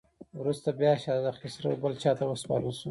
وروسته بیا شهزاده خسرو بل چا ته وسپارل شو.